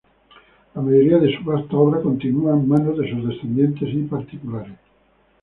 La mayoría de su vasta obra continúa en manos de sus descendientes y particulares.